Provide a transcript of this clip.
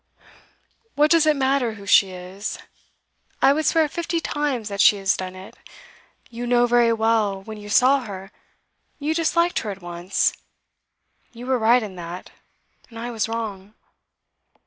'What does it matter who she is? I would swear fifty times that she has done it. You know very well, when you saw her, you disliked her at once. You were right in that, and I was wrong.